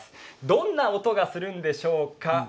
どんな音がするんでしょうか。